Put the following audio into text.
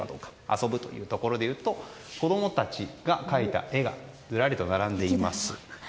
遊ぶというところでいうと子供たちが描いた絵がずらりと並んでいます。